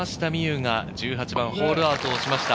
有が１８番、ホールアウトをしました。